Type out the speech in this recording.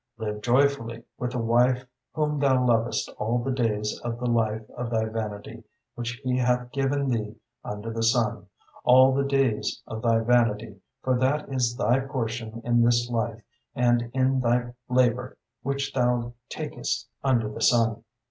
"Live joyfully with the wife whom thou lovest all the days of the life of thy vanity, which He hath given thee under the sun, all the days of thy vanity, for that is thy portion in this life and in thy labor which thou takest under the sun."